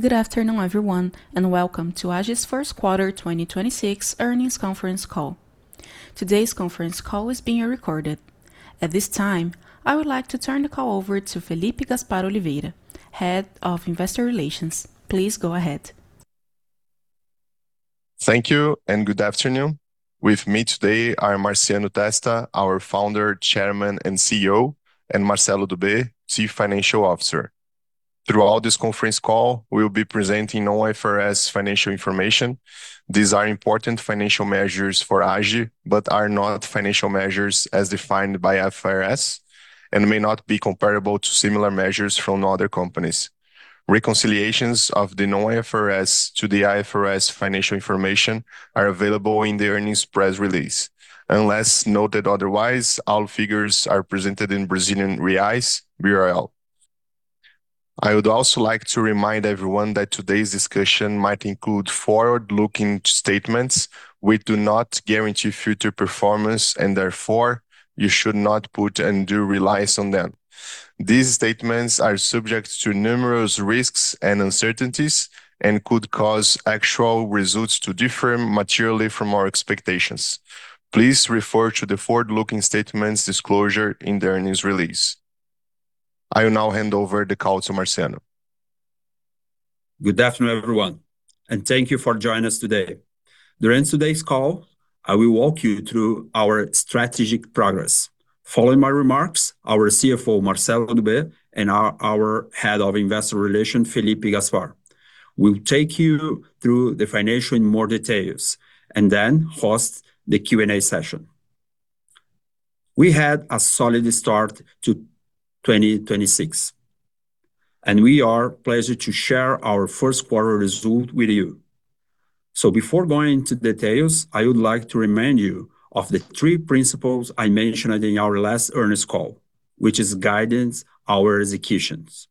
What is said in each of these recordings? Good afternoon, everyone, and welcome to Agi's first quarter 2026 earnings conference call. Today's conference call is being recorded. At this time, I would like to turn the call over to Felipe Gaspar Oliveira, Head of Investor Relations. Please go ahead. Thank you and good afternoon. With me today are Marciano Testa, our Founder, Chairman and CEO, and Marcello Dubeux, Chief Financial Officer. Throughout this conference call, we'll be presenting non-IFRS financial information. These are important financial measures for Agi, but are not financial measures as defined by IFRS and may not be comparable to similar measures from other companies. Reconciliations of the non-IFRS to the IFRS financial information are available in the earnings press release. Unless noted otherwise, all figures are presented in Brazilian reais, BRL. I would also like to remind everyone that today's discussion might include forward-looking statements which do not guarantee future performance, and therefore, you should not put and do reliance on them. These statements are subject to numerous risks and uncertainties and could cause actual results to differ materially from our expectations. Please refer to the forward-looking statements disclosure in the earnings release. I will now hand over the call to Marciano. Good afternoon, everyone, and thank you for joining us today. During today's call, I will walk you through our strategic progress. Following my remarks, our CFO, Marcello Dubeux, and our Head of Investor Relations, Felipe Gaspar, will take you through the financials in more details and then host the Q&A session. We had a solid start to 2026, and we are pleased to share our first quarter results with you. Before going into details, I would like to remind you of the three principles I mentioned in our last earnings call, which is guidance our executions.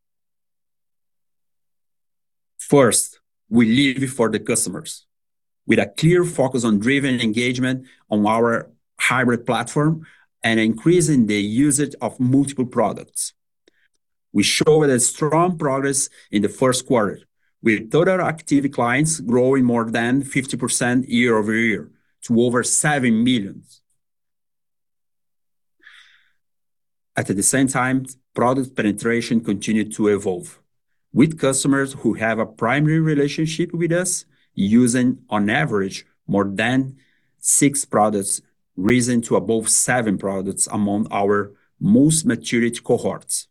First, we live for the customers with a clear focus on driven engagement on our hybrid platform and increasing the usage of multiple products. We showed a strong progress in the first quarter, with total active clients growing more than 50% year-over-year to over 7 million. At the same time, product penetration continued to evolve with customers who have a primary relationship with us using on average more than six products, rising to above seven products among our most matured cohorts,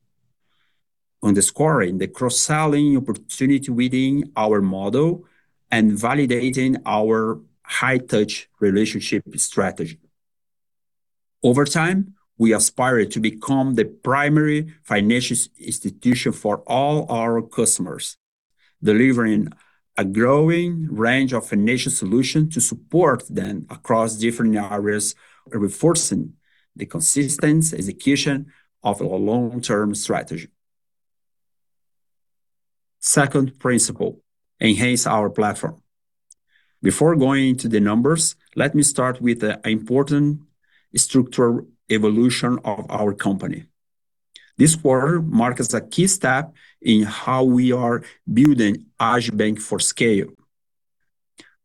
underscoring the cross-selling opportunity within our model and validating our high-touch relationship strategy. Over time, we aspire to become the primary financial institution for all our customers, delivering a growing range of financial solutions to support them across different areas, reinforcing the consistent execution of our long-term strategy. Second principle, enhance our platform. Before going into the numbers, let me start with the important structural evolution of our company. This quarter marks a key step in how we are building Agibank for scale.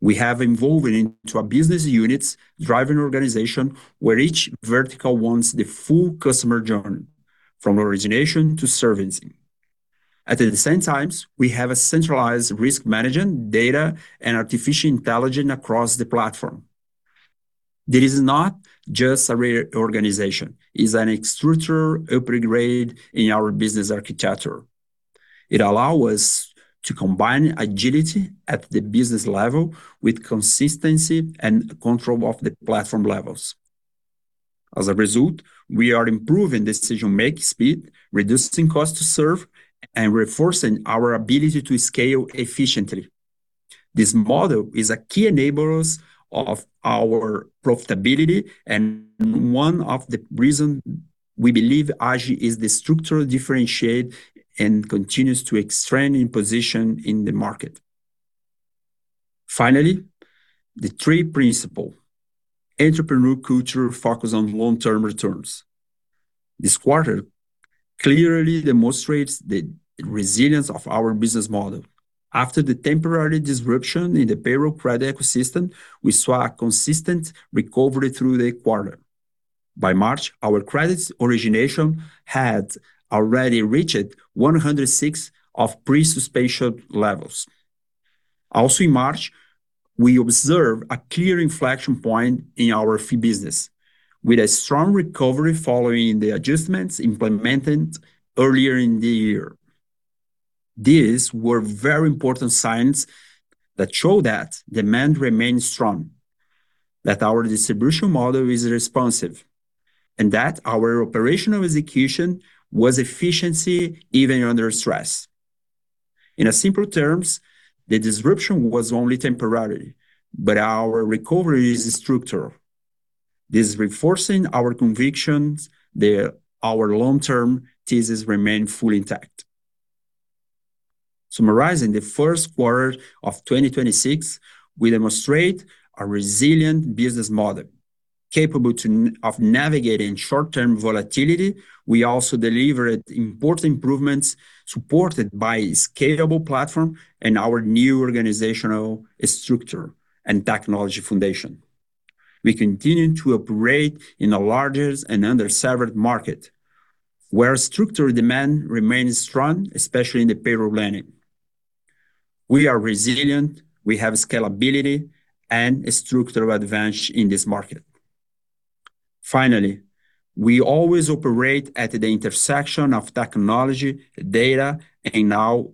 We have evolved into a business units driven organization where each vertical wants the full customer journey from origination to servicing. At the same time, we have a centralized risk management data and artificial intelligence across the platform. This is not just a reorganization. It's a structural upgrade in our business architecture. It allows us to combine agility at the business level with consistency and control of the platform levels. As a result, we are improving decision-making speed, reducing cost to serve, and reinforcing our ability to scale efficiently. This model is a key enabler of our profitability and one of the reasons we believe Agi is the structural differentiator and continues to strengthen its position in the market. Finally, the three principles, entrepreneurial culture focused on long-term returns. This quarter clearly demonstrates the resilience of our business model. After the temporary disruption in the payroll credit ecosystem, we saw a consistent recovery through the quarter. By March, our credit origination had already reached 106% of pre-suspension levels. In March, we observed a clear inflection point in our fee business with a strong recovery following the adjustments implemented earlier in the year. These were very important signs that show that demand remains strong, that our distribution model is responsive, and that our operational execution was efficient even under stress. In simple terms, the disruption was only temporary. Our recovery is structural. This is reinforcing our convictions that our long-term thesis remains fully intact. Summarizing the first quarter of 2026, we demonstrated a resilient business model. Capable of navigating short-term volatility, we also delivered important improvements supported by scalable platform and our new organizational structure and technology foundation. We continue to operate in the largest and underserved market where structural demand remains strong, especially in the payroll lending. We are resilient, we have scalability, and a structural advantage in this market. Finally, we always operate at the intersection of technology, data, and now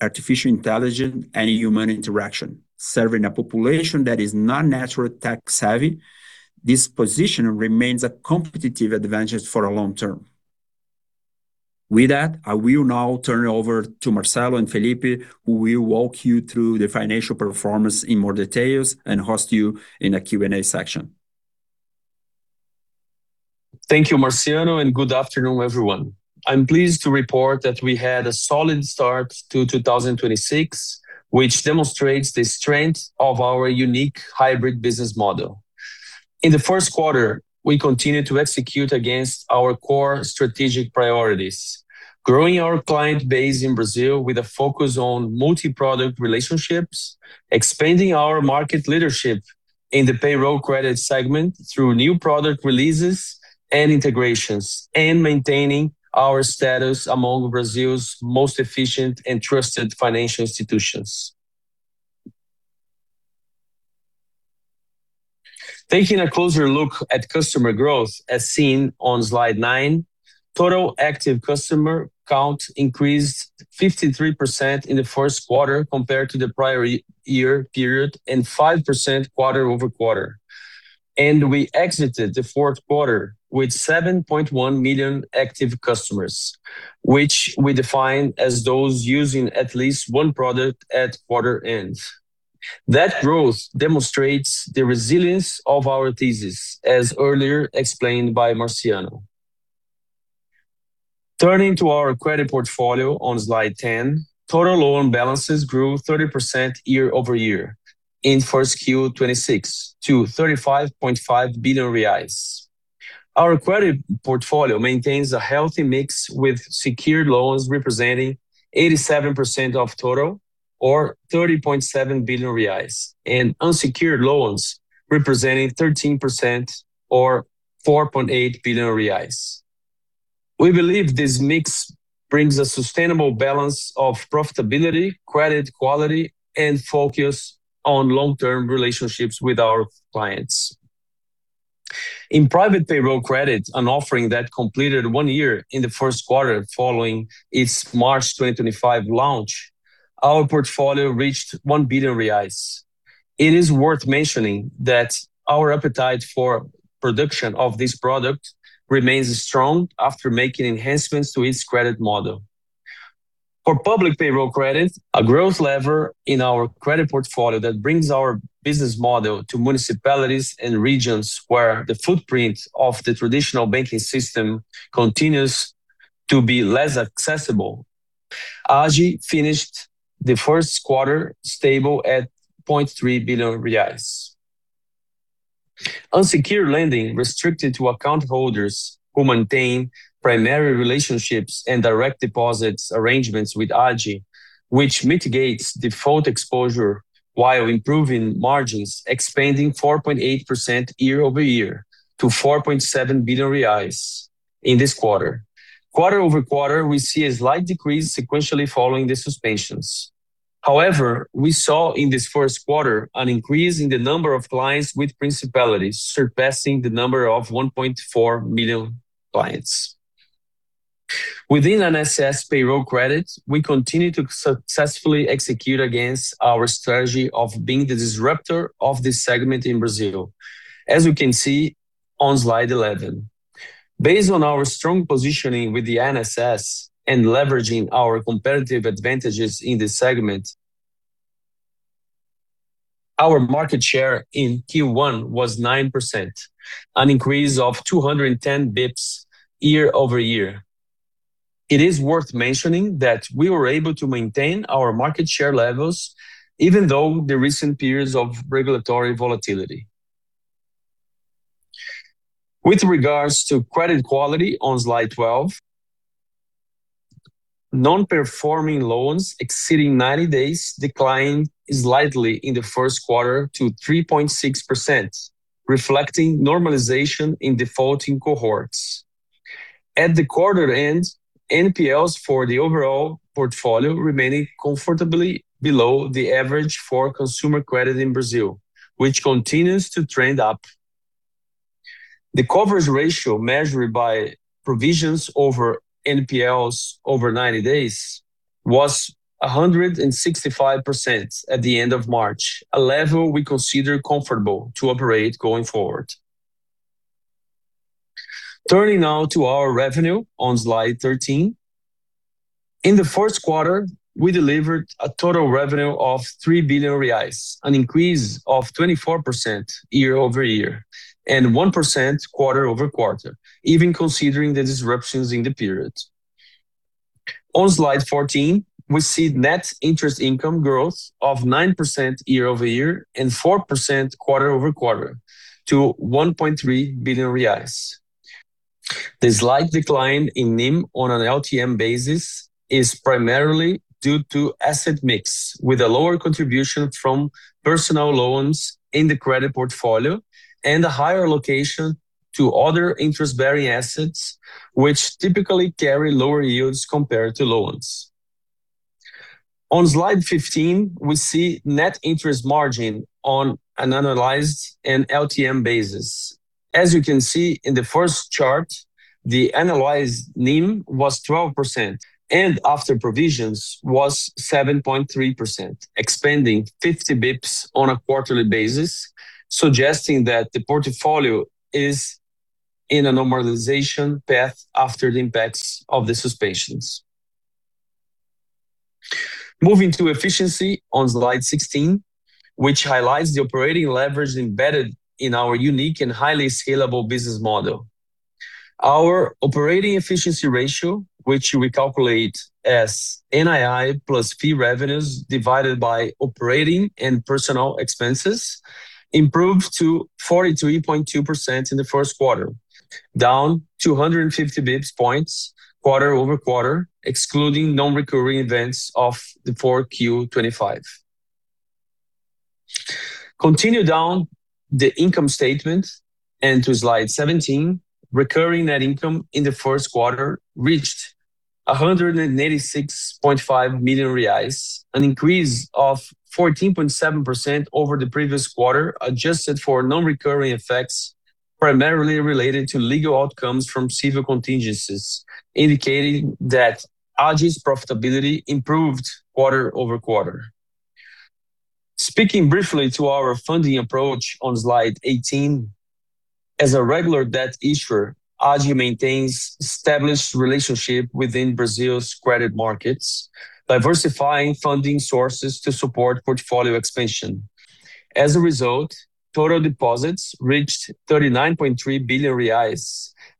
artificial intelligence and human interaction, serving a population that is not naturally tech-savvy. This position remains a competitive advantage for our long term. With that, I will now turn it over to Marcello and Felipe, who will walk you through the financial performance in more details and host you in a Q&A section. Thank you, Marciano. Good afternoon, everyone. I'm pleased to report that we had a solid start to 2026, which demonstrates the strength of our unique hybrid business model. In the first quarter, we continued to execute against our core strategic priorities, growing our client base in Brazil with a focus on multi-product relationships, expanding our market leadership in the payroll credit segment through new product releases and integrations, and maintaining our status among Brazil's most efficient and trusted financial institutions. Taking a closer look at customer growth, as seen on slide nine, total active customer count increased 53% in the first quarter compared to the prior year-over-year period and 5% quarter-over-quarter. We exited the fourth quarter with 7.1 million active customers, which we define as those using at least one product at quarter end. That growth demonstrates the resilience of our thesis, as earlier explained by Marciano. Turning to our credit portfolio on slide 10, total loan balances grew 30% year-over-year in 1Q 2026 to 35.5 billion reais. Our credit portfolio maintains a healthy mix with secured loans representing 87% of total or 30.7 billion reais, and unsecured loans representing 13% or 4.8 billion reais. We believe this mix brings a sustainable balance of profitability, credit quality, and focus on long-term relationships with our clients. In private payroll credit, an offering that completed one year in the first quarter following its March 2025 launch, our portfolio reached 1 billion reais. It is worth mentioning that our appetite for production of this product remains strong after making enhancements to its credit model. For public payroll credit, a growth lever in our credit portfolio that brings our business model to municipalities and regions where the footprint of the traditional banking system continues to be less accessible, Agi finished the first quarter stable at 0.3 billion reais. Unsecured lending restricted to account holders who maintain primary relationships and direct deposits arrangements with Agi, which mitigates default exposure while improving margins, expanding 4.8% year-over-year to 4.7 billion reais in this quarter. Quarter-over-quarter, we see a slight decrease sequentially following the suspensions. We saw in this first quarter an increase in the number of clients with principalities surpassing the number of 1.4 million clients. Within an INSS payroll credit, we continue to successfully execute against our strategy of being the disruptor of this segment in Brazil, as you can see on slide 11. Based on our strong positioning with the INSS and leveraging our competitive advantages in this segment, our market share in Q1 was 9%, an increase of 210 basis points year-over-year. It is worth mentioning that we were able to maintain our market share levels even though the recent periods of regulatory volatility. With regards to credit quality on slide 12, non-performing loans exceeding 90 days declined slightly in the first quarter to 3.6%, reflecting normalization in defaulting cohorts. At the quarter end, NPLs for the overall portfolio remaining comfortably below the average for consumer credit in Brazil, which continues to trend up. The coverage ratio measured by provisions over NPLs over 90 days was 165% at the end of March, a level we consider comfortable to operate going forward. Turning now to our revenue on slide 13. In the first quarter, we delivered a total revenue of 3 billion reais, an increase of 24% year-over-year and 1% quarter-over-quarter, even considering the disruptions in the period. On slide 14, we see net interest income growth of 9% year-over-year and 4% quarter-over-quarter to 1.3 billion reais. The slight decline in NIM on an LTM basis is primarily due to asset mix with a lower contribution from personal loans in the credit portfolio and a higher location to other interest-bearing assets which typically carry lower yields compared to loans. On slide 15, we see net interest margin on an analyzed and LTM basis. As you can see in the first chart, the analyzed NIM was 12% and after provisions was 7.3%, expanding 50 basis points on a quarterly basis, suggesting that the portfolio is in a normalization path after the impacts of the suspensions. Moving to efficiency on slide 16, which highlights the operating leverage embedded in our unique and highly scalable business model. Our operating efficiency ratio, which we calculate as NII plus fee revenues divided by operating and personal expenses, improved to 43.2% in the first quarter, down 250 basis points quarter-over-quarter, excluding non-recurring events of the 4Q 2025. Continue down the income statement and to slide 17. Recurring net income in the first quarter reached 186.5 million reais, an increase of 14.7% over the previous quarter, adjusted for non-recurring effects primarily related to legal outcomes from civil contingencies, indicating that Agi's profitability improved quarter-over-quarter. Speaking briefly to our funding approach on slide 18, as a regular debt issuer, Agi maintains established relationship within Brazil's credit markets, diversifying funding sources to support portfolio expansion. As a result, total deposits reached 39.3 billion reais,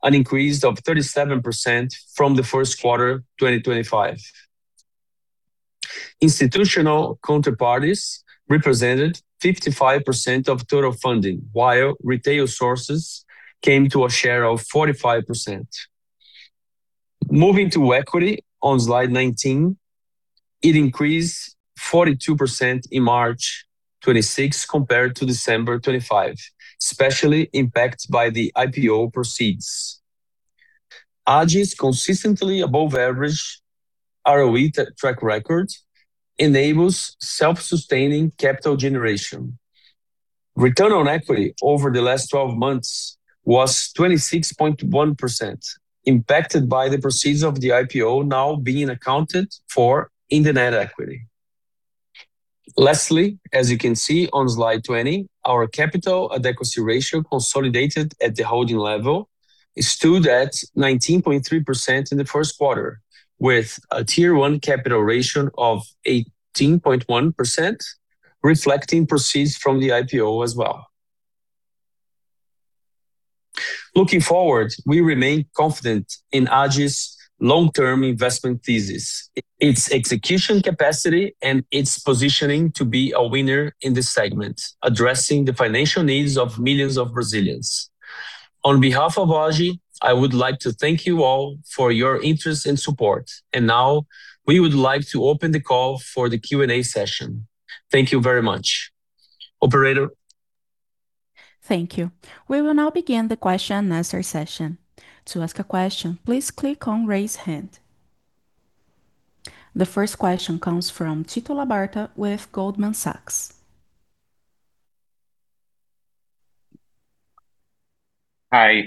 an increase of 37% from the first quarter 2025. Institutional counterparties represented 55% of total funding, while retail sources came to a share of 45%. Moving to equity on slide 19, it increased 42% in March 2026 compared to December 2025, especially impacted by the IPO proceeds. Agi's consistently above average ROE track record enables self-sustaining capital generation. Return on equity over the last 12 months was 26.1%, impacted by the proceeds of the IPO now being accounted for in the net equity. Lastly, as you can see on slide 20, our capital adequacy ratio consolidated at the holding level stood at 19.3% in the first quarter, with a tier 1 capital ratio of 18.1%, reflecting proceeds from the IPO as well. Looking forward, we remain confident in Agi's long-term investment thesis, its execution capacity, and its positioning to be a winner in this segment, addressing the financial needs of millions of Brazilians. On behalf of Agi, I would like to thank you all for your interest and support. Now we would like to open the call for the Q&A session. Thank you very much. Operator. Thank you. We will now begin the question and answer session. To ask a question, please click on Raise Hand. The first question comes from Tito Labarta with Goldman Sachs. Hi.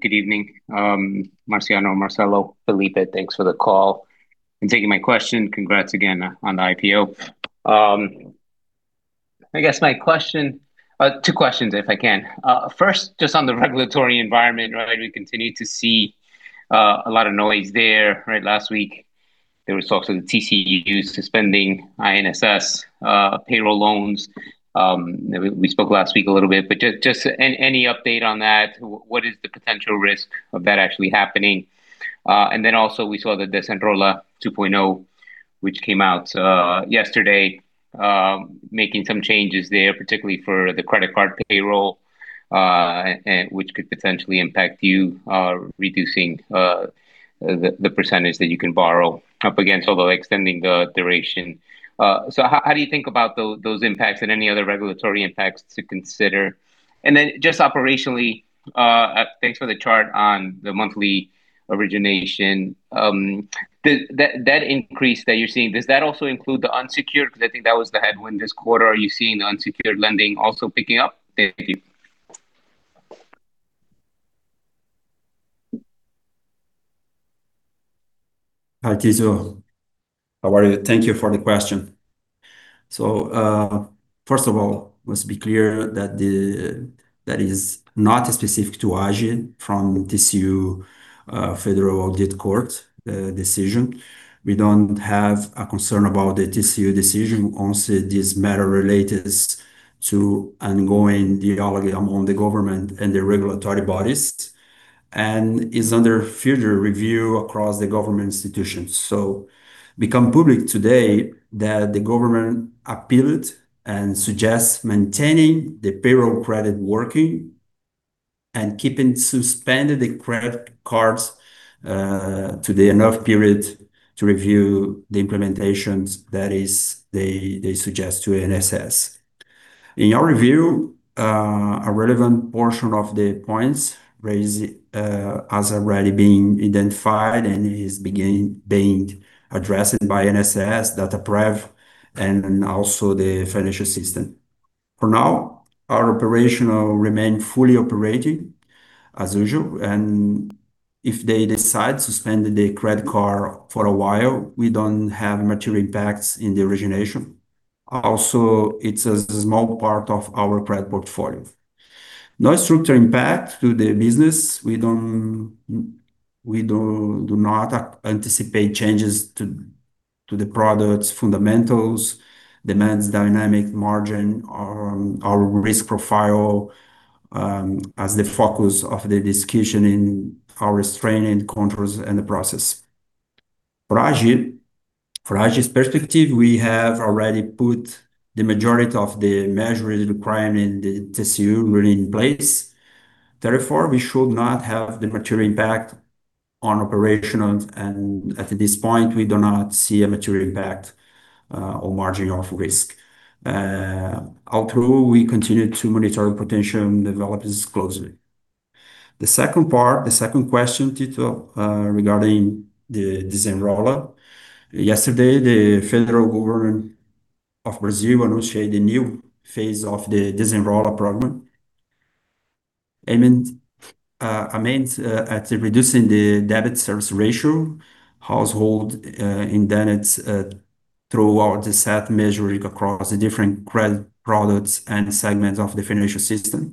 Good evening, Marciano, Marcello, Felipe. Thanks for the call and taking my question. Congrats again on the IPO. I guess my question. Two questions if I can. First, just on the regulatory environment, right? We continue to see a lot of noise there, right? Last week there was talks of the TCU suspending INSS payroll loans. We spoke last week a little bit, but just any update on that? What is the potential risk of that actually happening? Also we saw the Desenrola 2.0 which came out yesterday, making some changes there, particularly for the credit card payroll, and which could potentially impact you, reducing the percentage that you can borrow up against, although extending the duration. How do you think about those impacts and any other regulatory impacts to consider? Just operationally, thanks for the chart on the monthly origination. That increase that you're seeing, does that also include the unsecured? Because I think that was the headwind this quarter. Are you seeing the unsecured lending also picking up? Thank you. Hi, Tito. How are you? Thank you for the question. First of all, let's be clear that that is not specific to Agi from TCU, Federal Court of Accounts decision. We don't have a concern about the TCU decision on this matter related to ongoing dialogue among the government and the regulatory bodies. It is under future review across the government institutions. It became public today that the government appealed and suggests maintaining the payroll credit working and keeping suspended the credit cards to the enough period to review the implementations, that is, they suggest to INSS. In our review, a relevant portion of the points raised has already been identified and is being addressed by INSS, Dataprev and also the financial system. For now, our operational remain fully operating as usual, and if they decide to suspend the credit card for a while, we don't have material impacts in the origination. Also, it's a small part of our credit portfolio. No structure impact to the business. We do not anticipate changes to the products fundamentals, demands dynamic margin or our risk profile, as the focus of the discussion in our restraint and controls and the process. For Agi's perspective, we have already put the majority of the measures required in the TCU in place. Therefore, we should not have the material impact on operational, and at this point, we do not see a material impact or margin of risk. Although we continue to monitor potential developments closely. The second part, the second question, Tito, regarding the Desenrola. Yesterday, the federal government of Brazil initiated a new phase of the Desenrola program, aimed at reducing the debt service ratio household, in then it's, throughout the set measuring across the different credit products and segments of the financial system.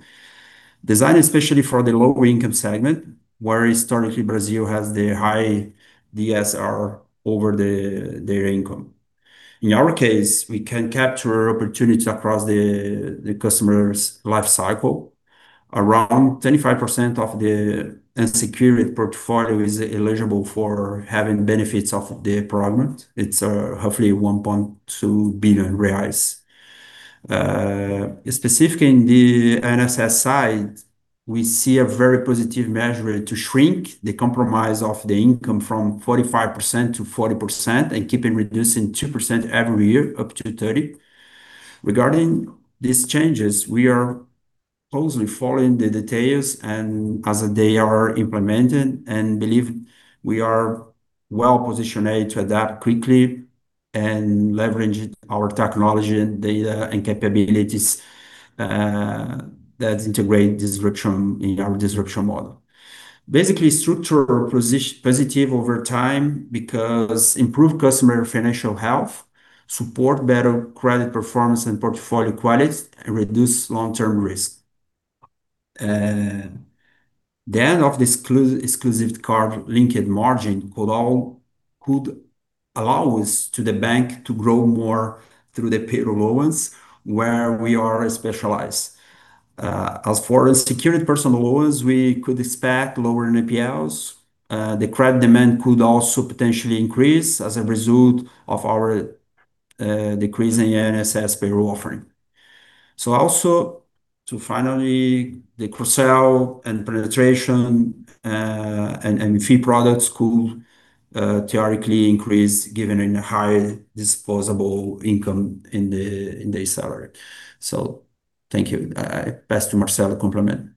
Designed especially for the low-income segment, where historically Brazil has the high DSR over their income. In our case, we can capture opportunity across the customer's life cycle. Around 25% of the unsecured portfolio is eligible for having benefits of the program. It's, hopefully 1.2 billion reais. Specifically in the INSS side, we see a very positive measure to shrink the compromise of the income from 45% to 40% and keeping reducing 2% every year up to 30%. Regarding these changes, we are closely following the details as they are implemented and believe we are well-positioned to adapt quickly and leverage our technology and data and capabilities that integrate disruption in our disruption model. Basically structural positive over time because improve customer financial health, support better credit performance and portfolio quality, and reduce long-term risk. The end of this exclusive card linkage margin could allow us to the bank to grow more through the payroll loans where we are specialized. As for unsecured personal loans, we could expect lower NPLs. The credit demand could also potentially increase as a result of our decreasing INSS payroll offering. Also to finally the cross-sell and penetration, and fee products could theoretically increase given a higher disposable income in the salary. Thank you. I pass to Marcello complement.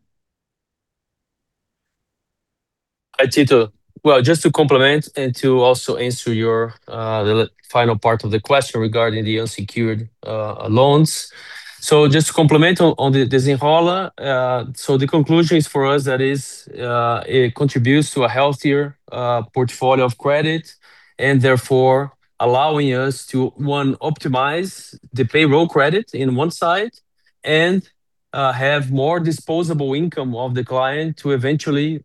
Hi, Tito. Well, just to complement and to also answer your the final part of the question regarding the unsecured loans. Just to complement on the Desenrola, the conclusion is for us that it contributes to a healthier portfolio of credit and therefore allowing us to, one, optimize the payroll credit in one side and have more disposable income of the client to eventually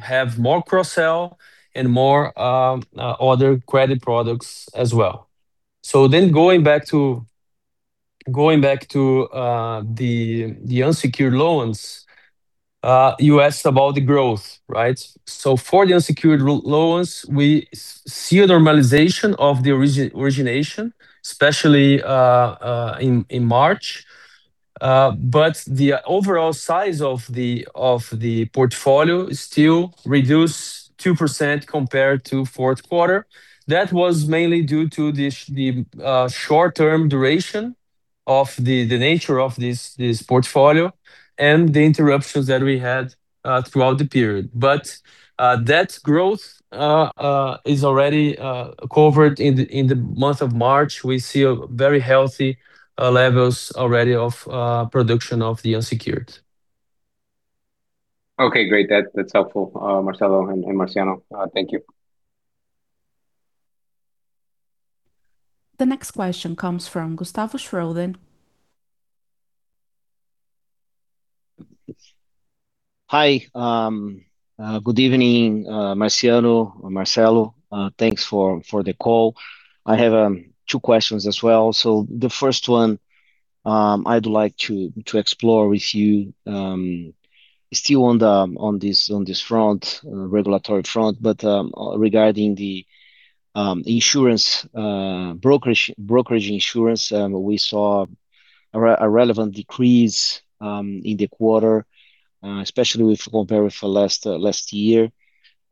have more cross-sell and more other credit products as well. Going back to the unsecured loans, you asked about the growth, right? For the unsecured loans, we see a normalization of the origination, especially in March. The overall size of the portfolio is still reduced 2% compared to fourth quarter. That was mainly due to the short-term duration of the nature of this portfolio and the interruptions that we had throughout the period. That growth is already covered in the month of March. We see very healthy levels already of production of the unsecured. Okay, great. That's helpful, Marcello and Marciano. Thank you. The next question comes from Gustavo Schroden. Hi. Good evening, Marciano or Marcello. Thanks for the call. I have two questions as well. The first one- I'd like to explore with you, still on this regulatory front, regarding the insurance brokerage. We saw a relevant decrease in the quarter, especially compared with last year.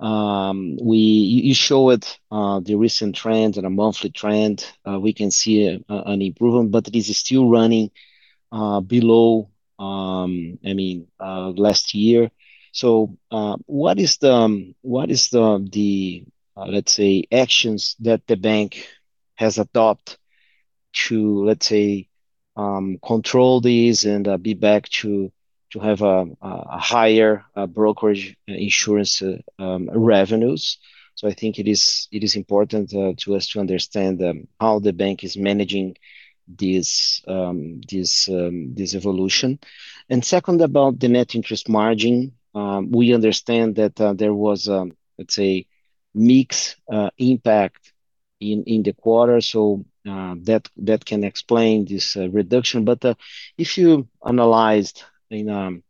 You showed the recent trend and a monthly trend. We can see an improvement, but it is still running below last year. What are the actions that the bank has adopted to control these and be back to have a higher brokerage insurance revenues? I think it is important to us to understand how the bank is managing this evolution. And second, about the net interest margin. We understand that there was, let's say, mixed impact in the quarter, that can explain this reduction. If you analyzed in,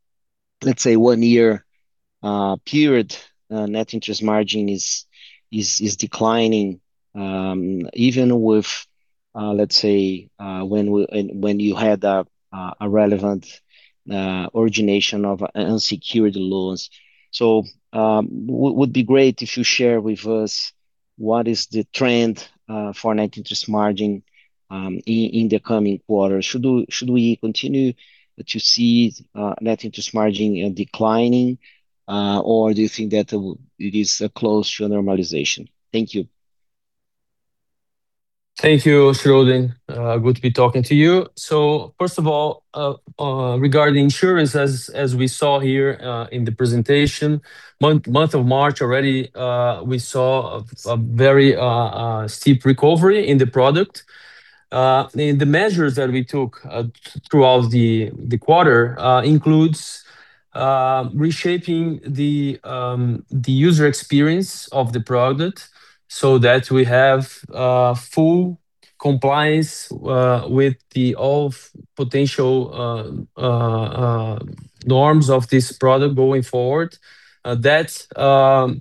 let's say, one year period, net interest margin is declining even with, let's say, when you had a relevant origination of unsecured loans. Would be great if you share with us what is the trend for net interest margin in the coming quarter. Should we continue to see net interest margin declining or do you think that it is close to a normalization? Thank you. Thank you, Schroden. Good to be talking to you. First of all, regarding insurance as we saw here, in the presentation, month of March already, we saw a very steep recovery in the product. The measures that we took throughout the quarter includes reshaping the user experience of the product so that we have full compliance with the all potential norms of this product going forward. That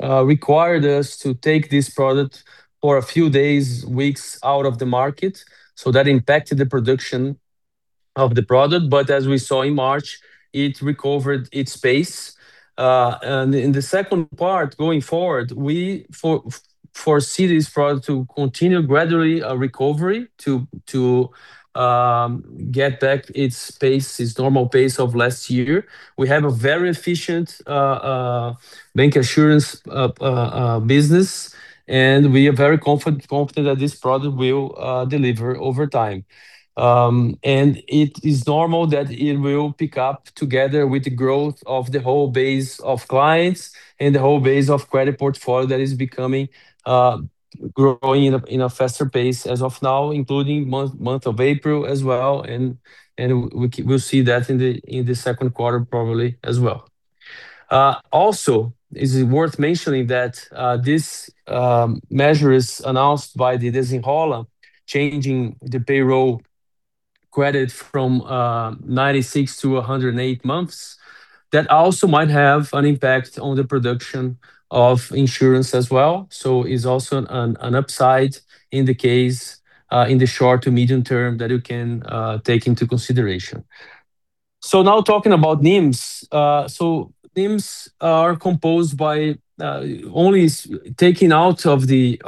required us to take this product for a few days, weeks out of the market, so that impacted the production of the product. As we saw in March, it recovered its pace. In the second part going forward, we foresee this product to continue gradually a recovery to get back its pace, its normal pace of last year. We have a very efficient bank insurance business, and we are very confident that this product will deliver over time. It is normal that it will pick up together with the growth of the whole base of clients and the whole base of credit portfolio that is becoming growing in a faster pace as of now, including month of April as well. We'll see that in the second quarter probably as well. Also, it is worth mentioning that this measure is announced by the Desenrola changing the payroll credit from 96 to 108 months. That also might have an impact on the production of insurance as well. It is also an upside in the case in the short to medium term that you can take into consideration. Now talking about NIMs. NIMs are composed by only taking out of the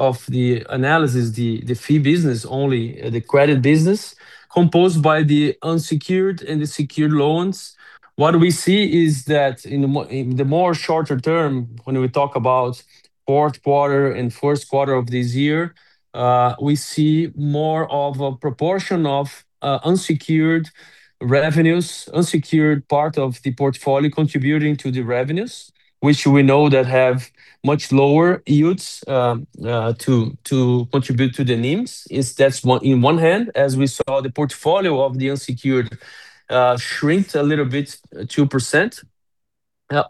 analysis the fee business, only the credit business composed by the unsecured and the secured loans. What we see is that in the more shorter term, when we talk about fourth quarter and first quarter of this year, we see more of a proportion of unsecured revenues, unsecured part of the portfolio contributing to the revenues, which we know that have much lower yields to contribute to the NIMs. That's one in one hand, as we saw the portfolio of the unsecured, shrinked a little bit, 2%.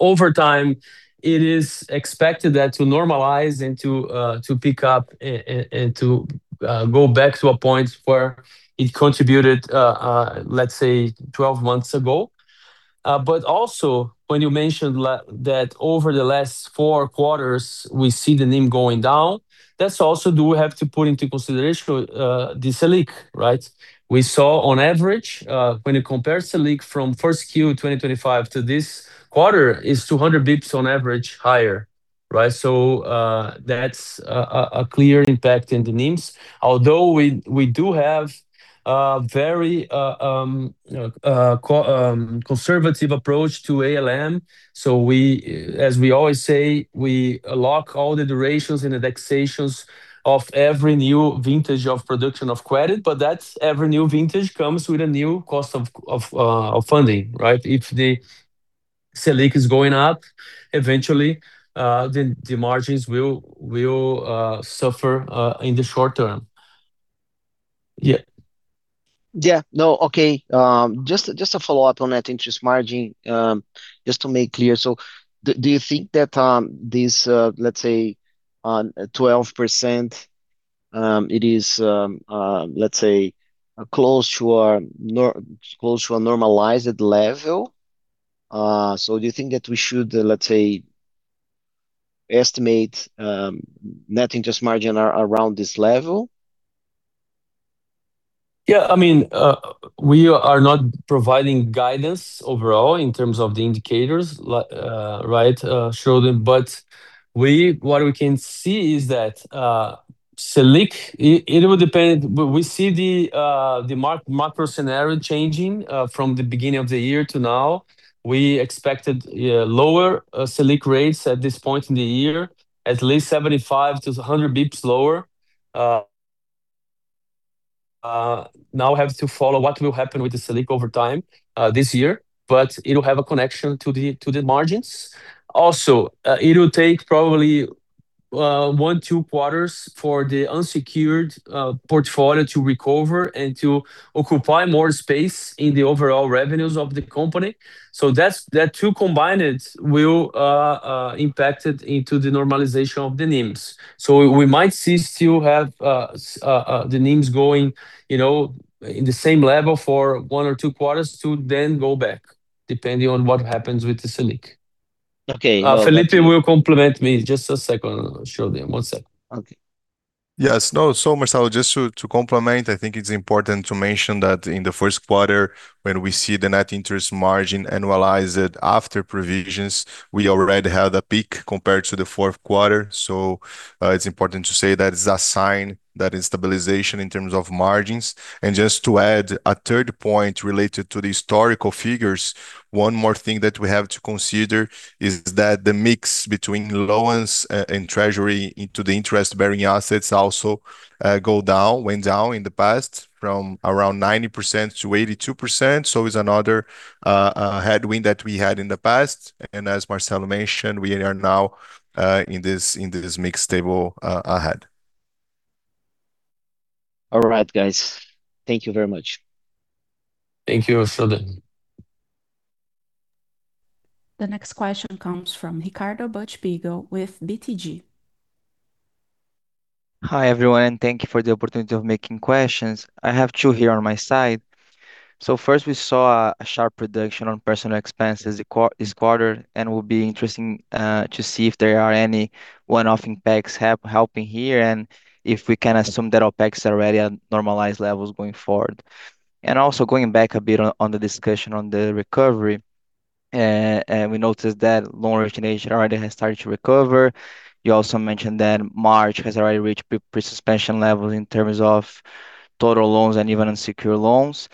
Over time, it is expected that to normalize and to pick up and to go back to a point where it contributed, let's say, 12 months ago. But also when you mentioned la that over the last four quarters we see the NIM going down, that's also we have to put into consideration the Selic, right? We saw on average, when you compare Selic from first Q 2025 to this quarter, is 200 basis points on average higher, right? That's a clear impact in the NIMs. Although we do have a very conservative approach to ALM. We, as we always say, we lock all the durations and indexations of every new vintage of production of credit. That's every new vintage comes with a new cost of funding, right? If the Selic is going up, eventually, the margins will suffer in the short term. Yeah. Yeah. No. Okay. just a follow-up on that interest margin, just to make clear. Do you think that? On 12%, it is, let's say, close to a normalized level. Do you think that we should, let's say, estimate, net interest margin around this level? Yeah. I mean, we are not providing guidance overall in terms of the indicators, right, Schroden. What we can see is that Selic, it will depend. We see the macro scenario changing from the beginning of the year to now. We expected, yeah, lower Selic rates at this point in the year, at least 75 to 100 basis points lower. Now we have to follow what will happen with the Selic over time this year, it'll have a connection to the margins. Also, it'll take probably one, two quarters for the unsecured portfolio to recover and to occupy more space in the overall revenues of the company. That 2 combined will impact it into the normalization of the NIMs. We might see still have, the NIMs going, you know, in the same level for one or two quarters to go back, depending on what happens with the Selic. Okay. Felipe will complement me. Just a second, Schroden. One second. Okay. Yes. No. Marcello, just to complement, I think it's important to mention that in the first quarter when we see the net interest margin annualized after provisions, we already had a peak compared to the fourth quarter. It's important to say that it's a sign that is stabilization in terms of margins. Just to add a third point related to the historical figures, one more thing that we have to consider is that the mix between loans and treasury into the interest-bearing assets also went down in the past from around 90% to 82%. It's another headwind that we had in the past. As Marcello mentioned, we are now in this mix stable ahead. All right, guys. Thank you very much. Thank you, Schroden. The next question comes from Ricardo Buchpigel with BTG. Hi, everyone, thank you for the opportunity of making questions. I have two here on my side. First, we saw a sharp reduction on personal expenses this quarter, and it will be interesting to see if there are any one-off impacts helping here, and if we can assume that OPEX are already at normalized levels going forward. Also going back a bit on the discussion on the recovery, and we noticed that loan origination already has started to recover. You also mentioned that March has already reached pre-suspension levels in terms of total loans and even unsecured loans.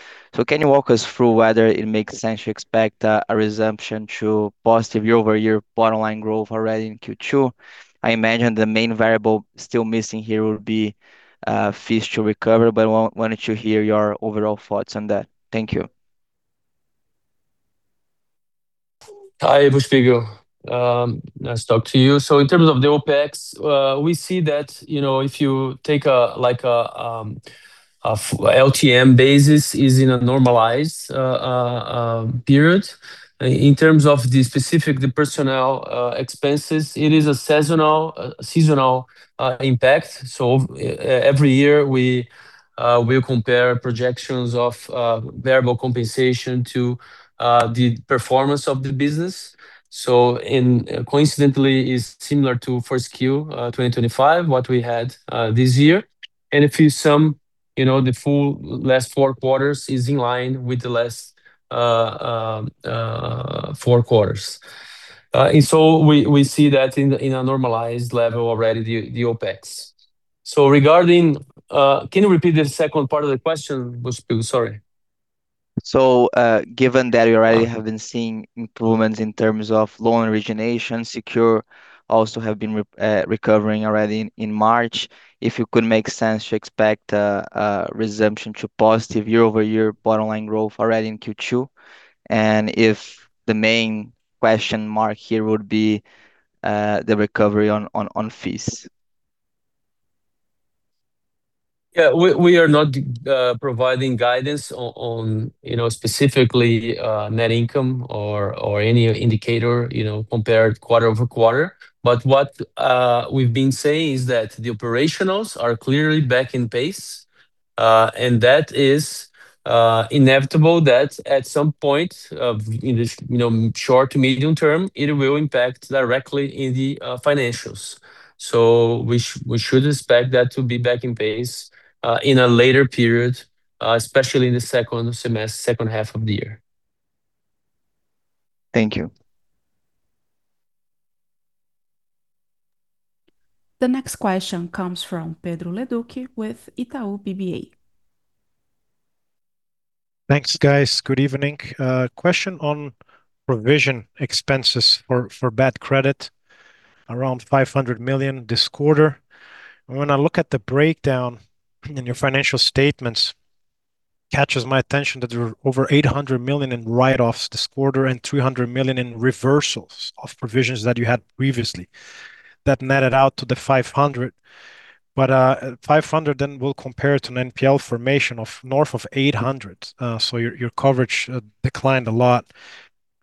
Can you walk us through whether it makes sense to expect a resumption to positive year-over-year bottom line growth already in Q2? I imagine the main variable still missing here would be fees to recover, but wanted to hear your overall thoughts on that. Thank you. Hi, Buchpigel. Nice talk to you. In terms of the OPEX, we see that, you know, if you take a, like a LTM basis is in a normalized period. In terms of the specific, the personnel expenses, it is a seasonal impact. Every year we compare projections of variable compensation to the performance of the business. In, coincidentally is similar to first Q 2025, what we had this year. If you sum, you know, the full last four quarters is in line with the last four quarters. We see that in a normalized level already the OPEX. Regarding, can you repeat the second part of the question, Buchpigel? Sorry. Given that you already have been seeing improvements in terms of loan origination, secure also have been recovering already in March, if you could make sense to expect a resumption to positive year-over-year bottom line growth already in Q2, if the main question mark here would be the recovery on fees? We are not providing guidance on, specifically, net income or any indicator, you know, compared quarter-over-quarter. What we've been saying is that the operationals are clearly back in pace. That is inevitable that at some point in the, you know, short to medium term, it will impact directly in the financials. We should expect that to be back in pace in a later period, especially in the second semester, second half of the year. Thank you. The next question comes from Pedro Leduc with Itaú BBA. Thanks, guys. Good evening. Question on provision expenses for bad credit, around 500 million this quarter. When I look at the breakdown in your financial statements, catches my attention that there were over 800 million in write-offs this quarter and 300 million in reversals of provisions that you had previously that netted out to the 500 million. 500 million then will compare to an NPL formation of north of 800 million, so your coverage declined a lot.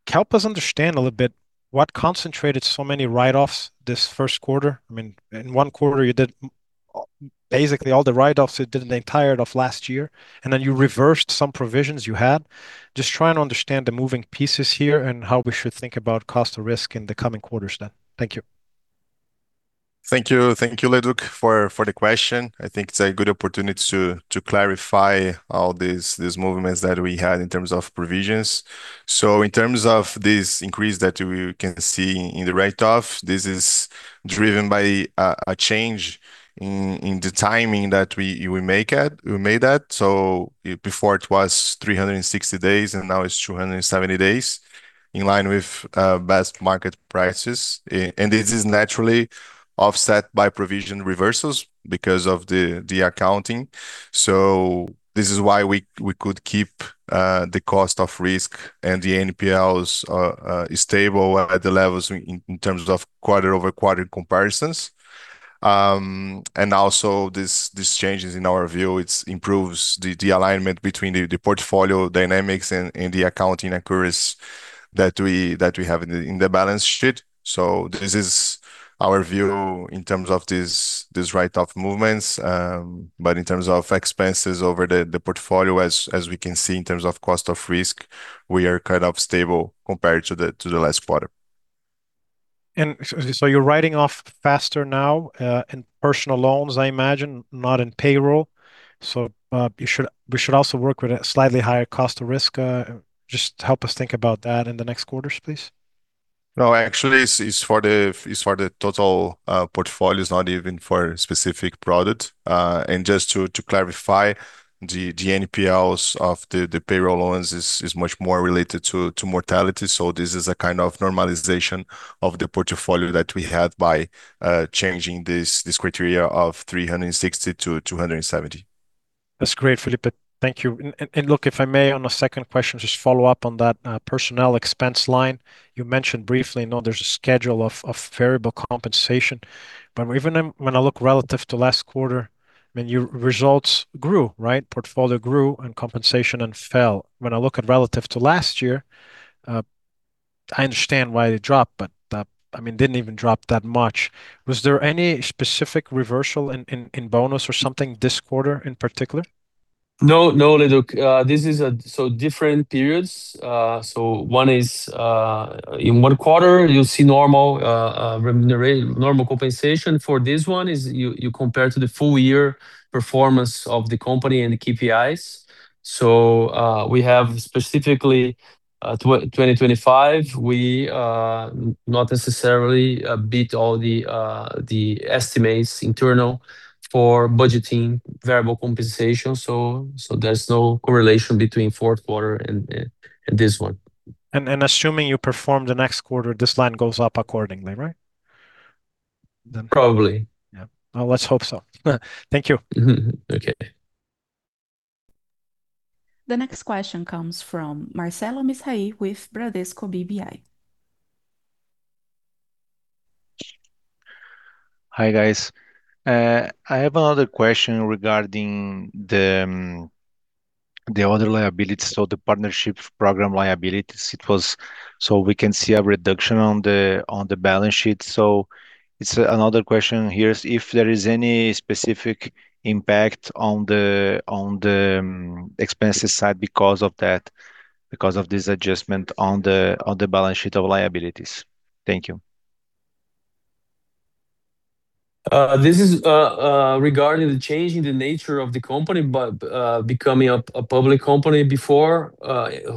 Help us understand a little bit what concentrated so many write-offs this 1st quarter. In 1 quarter you did basically all the write-offs you did in the entire of last year, then you reversed some provisions you had. Trying to understand the moving pieces here and how we should think about cost of risk in the coming quarters then. Thank you. Thank you. Thank you, Pedro Leduc, for the question. I think it's a good opportunity to clarify all these movements that we had in terms of provisions. In terms of this increase that we can see in the write-off, this is driven by a change in the timing that we made that. Before it was 360 days, now it's 270 days, in line with best market prices. This is naturally offset by provision reversals because of the accounting. This is why we could keep the cost of risk and the NPLs stable at the levels in terms of quarter-over-quarter comparisons. Also these changes in our view, it's improves the alignment between the portfolio dynamics and the accounting accuracy that we have in the balance sheet. This is our view in terms of these write-off movements. In terms of expenses over the portfolio as we can see in terms of cost of risk, we are kind of stable compared to the last quarter. You're writing off faster now, in personal loans, I imagine, not in payroll. We should also work with a slightly higher cost of risk. Just help us think about that in the next quarters, please. No, actually it's for the total portfolios, not even for specific product. Just to clarify, the NPLs of the payroll loans is much more related to mortality, so this is a kind of normalization of the portfolio that we had by changing this criteria of 360 to 270. That's great, Felipe. Thank you. Look, if I may, on a second question, just follow up on that personnel expense line. You mentioned briefly, I know there's a schedule of variable compensation. Even when I look relative to last quarter, I mean, your results grew, right? Portfolio grew and compensation then fell. When I look at relative to last year, I understand why they dropped, but, I mean, didn't even drop that much. Was there any specific reversal in bonus or something this quarter in particular? No, no, LeDuc. This is so different periods. One is, in one quarter you'll see normal remuneration, normal compensation. For this one is you compare to the full year performance of the company and the KPIs. We have specifically 2025, we not necessarily beat all the estimates internal for budgeting variable compensation, so there's no correlation between fourth quarter and this one. Assuming you perform the next quarter, this line goes up accordingly, right? Probably. Yeah. Well, let's hope so. Thank you. Okay. The next question comes from Marcello Mizrahi with Bradesco BBI. Hi, guys. I have another question regarding the other liabilities, so the partnership program liabilities. We can see a reduction on the balance sheet. It's another question here is if there is any specific impact on the expenses side because of that, because of this adjustment on the balance sheet of liabilities. Thank you. This is regarding the changing the nature of the company by becoming a public company. Before,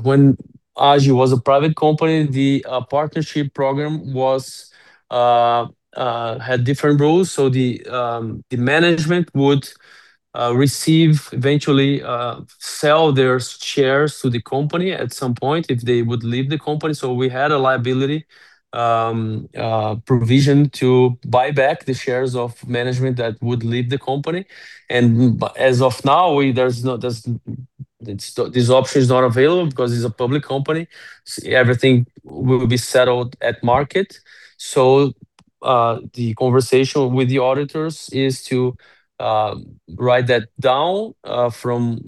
when Agi was a private company, the partnership program was had different rules. The management would receive eventually sell their shares to the company at some point if they would leave the company. We had a liability provision to buy back the shares of management that would leave the company. But as of now, there's no, it's, this option is not available because it's a public company. Everything will be settled at market. The conversation with the auditors is to write that down from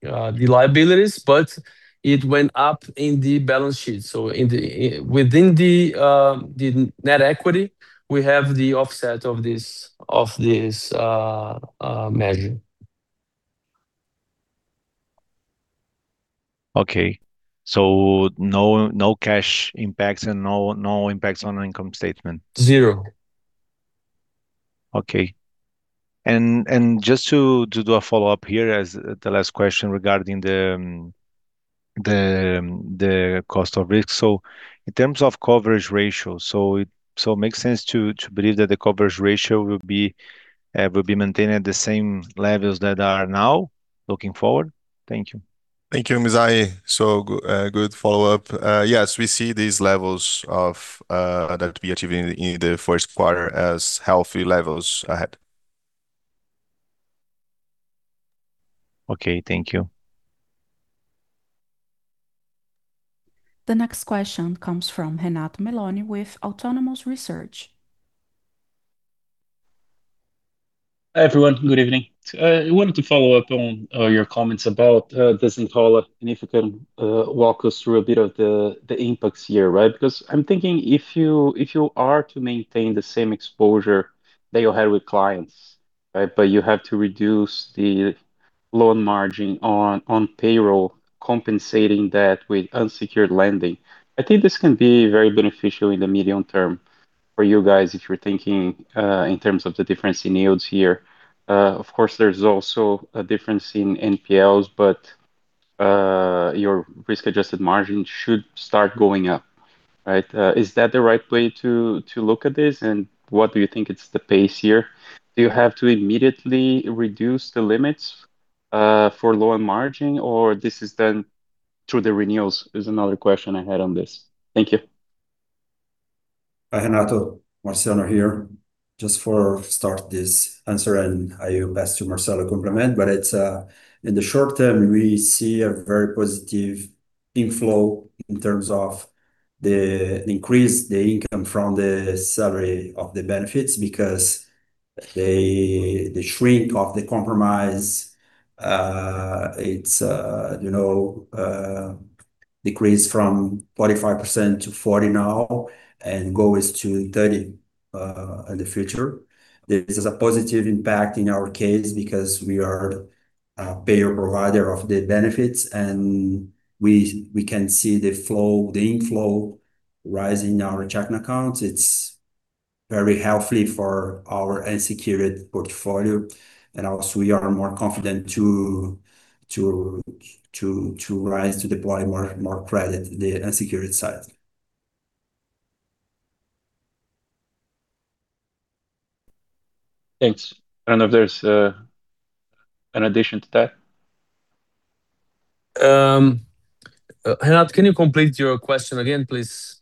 the liabilities, but it went up in the balance sheet. Within the net equity, we have the offset of this measure. Okay. no cash impacts and no impacts on our income statement. Zero. Okay. Just to do a follow-up here as the last question regarding the cost of risk. In terms of coverage ratio, it makes sense to believe that the coverage ratio will be maintained at the same levels that are now looking forward? Thank you. Thank you, Mizrahi. Good follow-up. Yes, we see these levels of that we achieved in the first quarter as healthy levels ahead. Okay. Thank you. The next question comes from Renato Meloni with Autonomous Research. Hi, everyone. Good evening. I wanted to follow up on your comments about the Desenrola, and if you can walk us through a bit of the impacts here, right? I'm thinking if you, if you are to maintain the same exposure that you had with clients, right, but you have to reduce the loan margin on payroll, compensating that with unsecured lending, I think this can be very beneficial in the medium term for you guys if you're thinking in terms of the difference in yields here. Of course, there's also a difference in NPLs, but your risk-adjusted margin should start going up, right? Is that the right way to look at this? What do you think it's the pace here? Do you have to immediately reduce the limits for loan margin, or this is then through the renewals, is another question I had on this. Thank you. Hi, Renato. Marciano here. Just for start this answer, I'll ask to Marcello complement. It's in the short term, we see a very positive inflow in terms of the increase, the income from the salary of the benefits because they shrink of the compromise. It's, you know, decreased from 45% to 40% now. Goal is to 30% in the future. This is a positive impact in our case because we are a payer provider of the benefits and we can see the flow, the inflow rise in our checking accounts. It's very healthy for our unsecured portfolio. Also we are more confident to rise, to deploy more credit the unsecured side. Thanks. I don't know if there's an addition to that. Renato, can you complete your question again, please?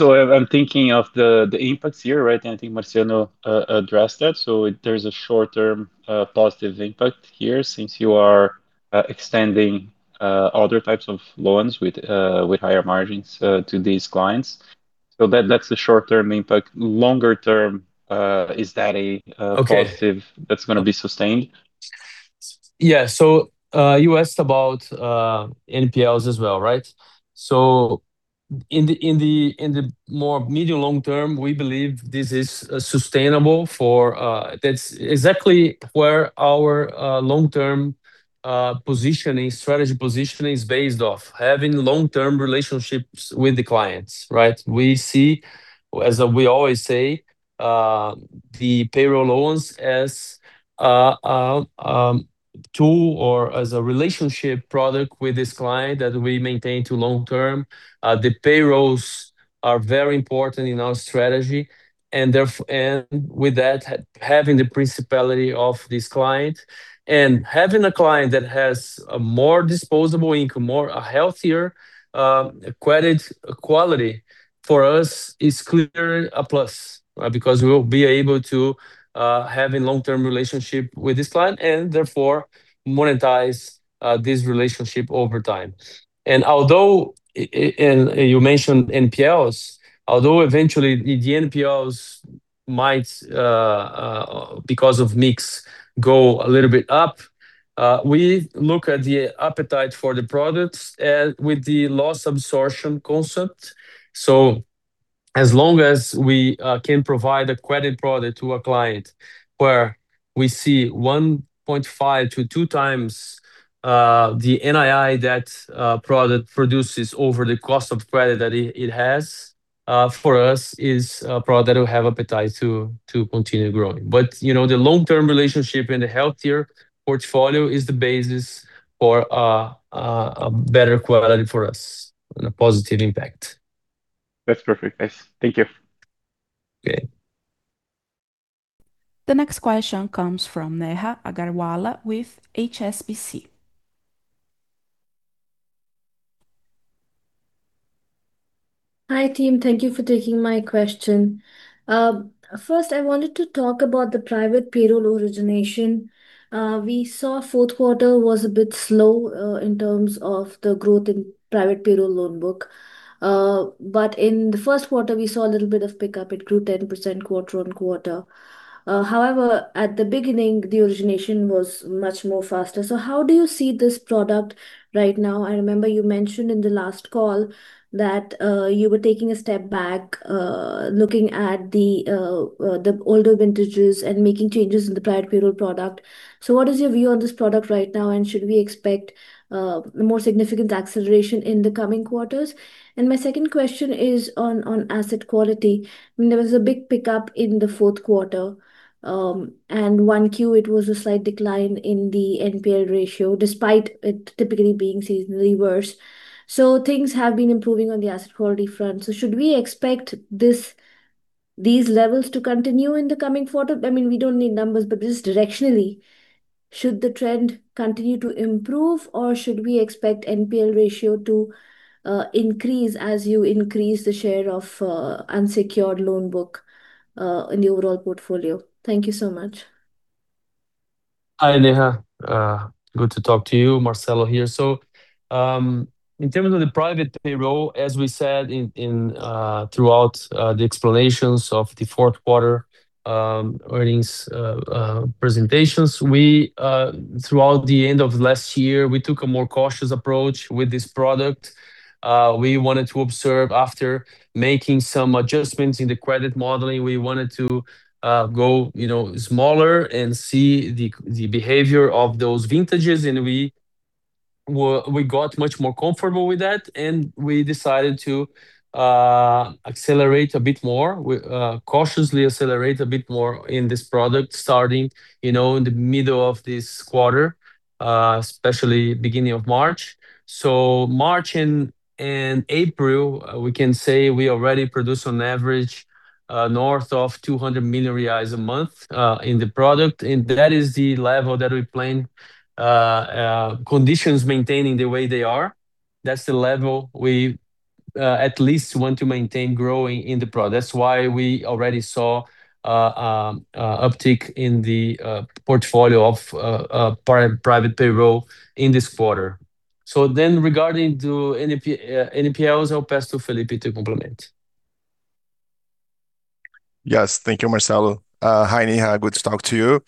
I'm thinking of the impacts here, right? I think Marciano addressed that. There's a short-term positive impact here since you are extending other types of loans with higher margins to these clients. That's the short-term impact. Longer term, is that a? Okay positive that's gonna be sustained? Yeah. You asked about NPLs as well, right? In the more medium-long term, we believe this is sustainable for. That's exactly where our long-term positioning, strategy positioning is based off, having long-term relationships with the clients, right? We see, as we always say, the payroll loans as a tool or as a relationship product with this client that we maintain to long term. The payrolls are very important in our strategy and with that, having the principality of this client. Having a client that has a more disposable income, more a healthier credit quality, for us is clearly a plus because we will be able to have a long-term relationship with this client and therefore monetize this relationship over time. Although you mentioned NPLs, although eventually the NPLs might, because of mix, go a little bit up, we look at the appetite for the products with the loss absorption concept. As long as we can provide a credit product to a client where we see 1.5 to 2 times the NII that product produces over the cost of credit that it has, for us is a product that we have appetite to continue growing. You know, the long-term relationship and the healthier portfolio is the basis for a better quality for us and a positive impact. That's perfect. Nice. Thank you. Okay. The next question comes from Neha Agarwala with HSBC. Hi, team. Thank you for taking my question. First, I wanted to talk about the private payroll origination. We saw fourth quarter was a bit slow in terms of the growth in private payroll loan book. In the first quarter, we saw a little bit of pickup. It grew 10% quarter on quarter. However, at the beginning, the origination was much more faster. How do you see this product right now? I remember you mentioned in the last call that you were taking a step back looking at the older vintages and making changes in the private payroll product. What is your view on this product right now, and should we expect more significant acceleration in the coming quarters? My second question is on asset quality. I mean, there was a big pickup in the fourth quarter, and in 1Q, it was a slight decline in the NPL ratio, despite it typically being seasonally worse. Things have been improving on the asset quality front. Should we expect this, these levels to continue in the coming quarter? I mean, we don't need numbers, but just directionally, should the trend continue to improve, or should we expect NPL ratio to increase as you increase the share of unsecured loan book in the overall portfolio? Thank you so much. Hi, Neha. Good to talk to you. Marcello here. In terms of the private payroll, as we said in throughout the explanations of the fourth quarter earnings presentations, we throughout the end of last year we took a more cautious approach with this product. We wanted to observe after making some adjustments in the credit modeling. We wanted to go, you know, smaller and see the behavior of those vintages, and we got much more comfortable with that, and we decided to accelerate a bit more. We cautiously accelerate a bit more in this product starting, you know, in the middle of this quarter, especially beginning of March. March and April, we can say we already produced on average, north of 200 million reais a month in the product. That is the level that we plan, conditions maintaining the way they are. That's the level we at least want to maintain growing in the product. That's why we already saw uptick in the portfolio of private payroll in this quarter. Regarding to NPAs, I'll pass to Felipe to complement. Yes. Thank you, Marcello. Hi, Neha. Good to talk to you.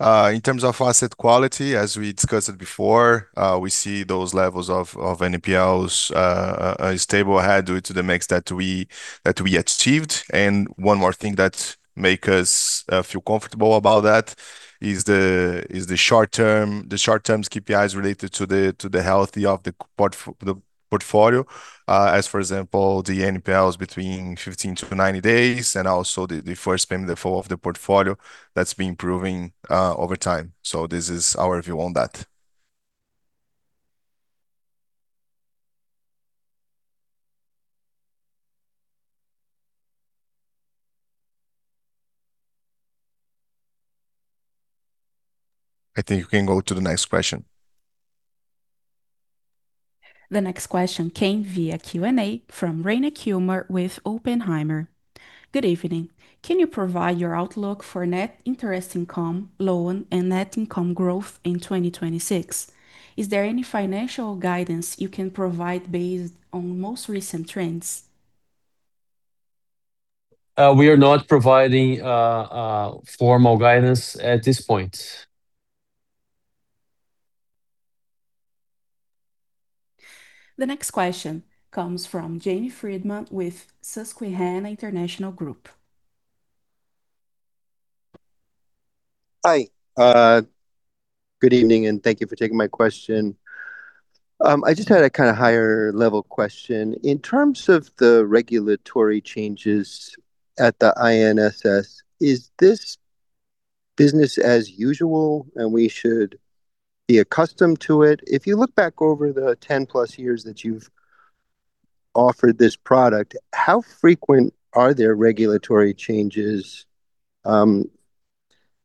In terms of asset quality, as we discussed it before, we see those levels of NPAs stable ahead due to the mix that we achieved. One more thing that make us feel comfortable about that is the short term, the short terms KPIs related to the healthy of the portfolio. As for example, the NPAs between 15 to 90 days, and also the first payment default of the portfolio that's been improving, over time. This is our view on that. I think you can go to the next question. The next question came via Q&A from Rayna Kumar with Oppenheimer. Good evening. Can you provide your outlook for net interest income loan and net income growth in 2026? Is there any financial guidance you can provide based on most recent trends? We are not providing formal guidance at this point. The next question comes from James Friedman with Susquehanna International Group. Hi. Good evening and thank you for taking my question. I just had a kinda higher level question. In terms of the regulatory changes at the INSS, is this business as usual and we should be accustomed to it? If you look back over the 10 plus years that you've offered this product, how frequent are there regulatory changes? I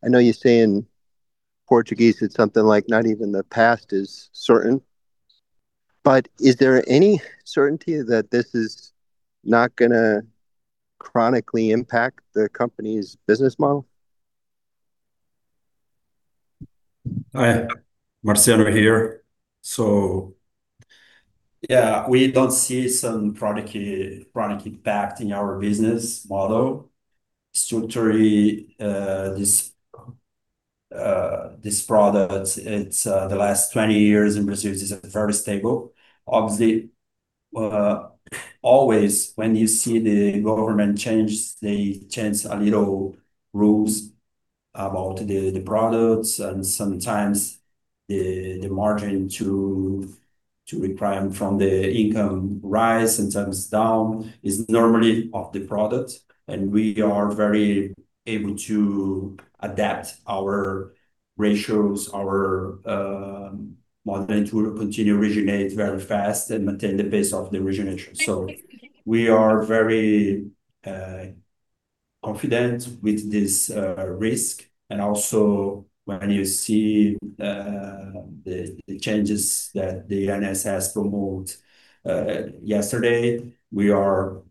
know you say in Portuguese it's something like, "Not even the past is certain," but is there any certainty that this is not gonna chronically impact the company's business model? Hi. Marciano here. Yeah, we don't see some product chronic impact in our business model. Structurally, this product, it's the last 20 years in Brazil this is very stable. Obviously, always when you see the government change, they change a little rules about the products and sometimes the margin to require from the income rise, sometimes down. It's normally of the product and we are very able to adapt our ratios, our model to continue originate very fast and maintain the pace of the origination. We are very confident with this risk. When you see the changes that the INSS promote yesterday, we are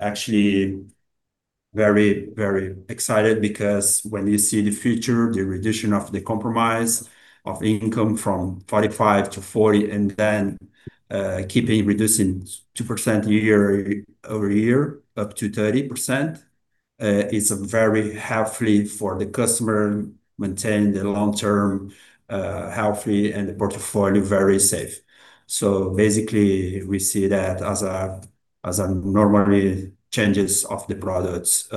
actually very, very excited because when you see the future, the reduction of the compromise of income from 45 to 40, keeping reducing 2% year-over-year up to 30%, is very healthy for the customer maintain the long-term healthy and the portfolio very safe. Basically, we see that as a normally changes of the products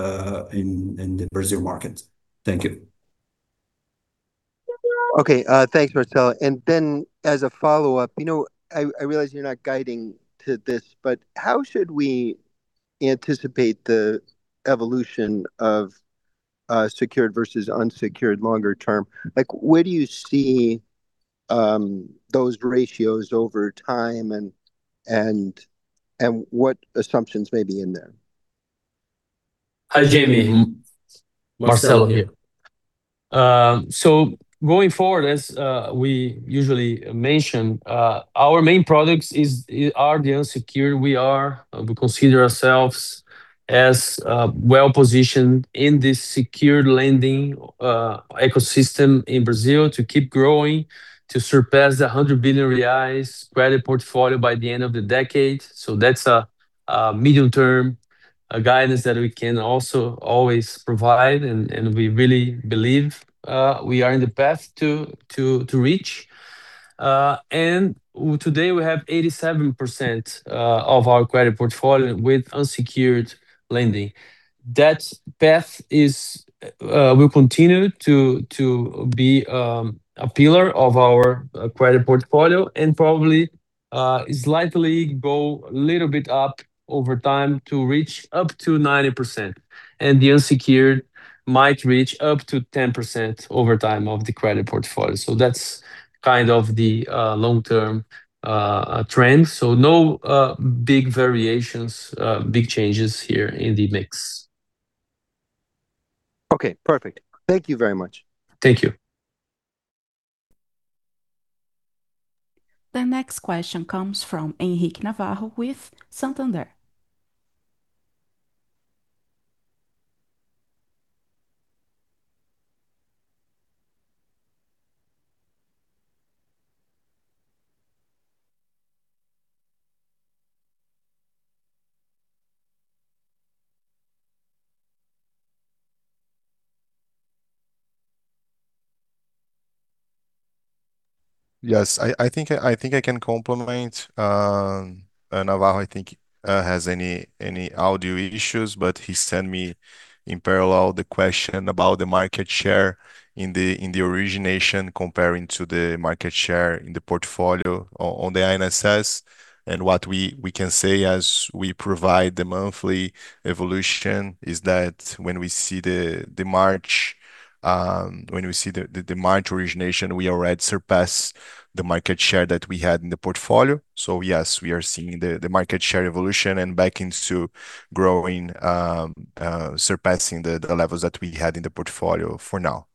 in the Brazil market. Thank you. Okay. Thanks, Marcello. Then as a follow-up, you know, I realize you're not guiding to this, but how should we anticipate the evolution of secured versus unsecured longer term? Like, where do you see those ratios over time and what assumptions may be in there? Hi, Jamie. Marcello here. Going forward, as we usually mention, our main products are the unsecured. We consider ourselves as well-positioned in this secured lending ecosystem in Brazil to keep growing, to surpass the 100 billion reais credit portfolio by the end of the decade. That's a medium-term guidance that we can also always provide and we really believe we are in the path to reach. Today we have 87% of our credit portfolio with unsecured lending. That path will continue to be a pillar of our credit portfolio and probably slightly go a little bit up over time to reach up to 90%. The unsecured might reach up to 10% over time of the credit portfolio. That's kind of the long-term trend. No big variations, big changes here in the mix. Okay, perfect. Thank you very much. Thank you. The next question comes from Henrique Navarro with Santander. Yes. I think I can compliment Navarro. I think has any audio issues, but he sent me in parallel the question about the market share in the origination comparing to the market share in the portfolio on the INSS. What we can say as we provide the monthly evolution is that when we see the March, when we see the March origination, we already surpass the market share that we had in the portfolio. Yes, we are seeing the market share evolution and back into growing, surpassing the levels that we had in the portfolio for now.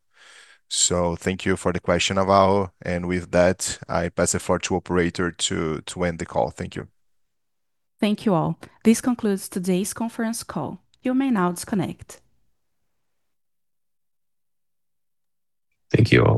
Thank you for the question, Navarro. With that, I pass the floor to operator to end the call. Thank you. Thank you, all. This concludes today's conference call. You may now disconnect. Thank you all.